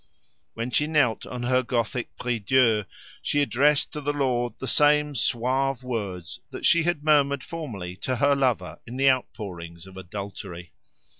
When she knelt on her Gothic prie Dieu, she addressed to the Lord the same suave words that she had murmured formerly to her lover in the outpourings of adultery.